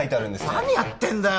何やってんだよ